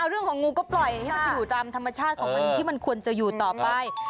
เรื่องของงูก็ปล่อยให้มันไปอยู่ตามธรรมชาติของมันที่มันควรจะอยู่ต่อไป